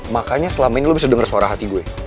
makanya selama ini lo bisa dengar suara hati gue